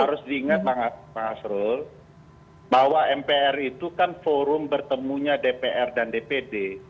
harus diingat pak asrul bahwa mpr itu kan forum bertemunya dpr dan dpd